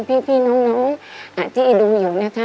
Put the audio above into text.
พี่พี่น้องน้องอ่าที่อิดุมอยู่นะคะ